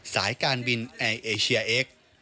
สายการบินแอร์เอเชียเอ็กซ์